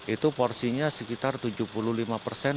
itu porsinya sekitar tujuh puluh lima persen